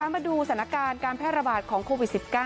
มาดูสถานการณ์การแพร่ระบาดของโควิด๑๙